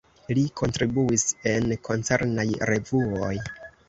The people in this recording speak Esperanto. Li kontribuis en koncernaj revuoj.